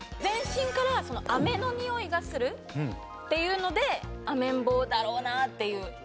全身から飴のにおいがするっていうのでアメンボだろうなっていう。